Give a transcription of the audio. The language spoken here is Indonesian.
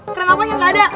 keren apa yang gak ada